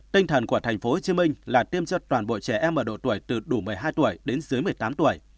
tinh thần của tp hcm là tiêm cho toàn bộ trẻ em ở độ tuổi từ đủ một mươi hai tuổi đến dưới một mươi tám tuổi